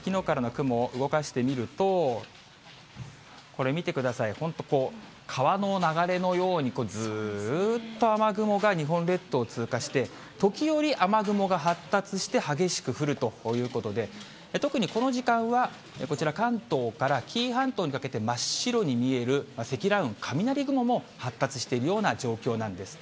きのうからの雲、動かしてみると、これ見てください、本当、川の流れのように、ずっと雨雲が日本列島を通過して、時折、雨雲が発達して、激しく降るということで、特にこの時間は、こちら関東から紀伊半島にかけて、真っ白に見える積乱雲、雷雲も発達しているような状態なんです。